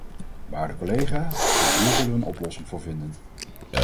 Waarde collega, ook hier zullen we een oplossing voor vinden.